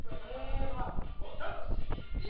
皆様、お楽しみに。